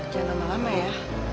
jangan lama lama ya